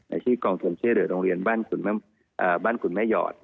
ในที่กองทุนเชลยโดยโรงเรียนบ้านขุนแม่หยอด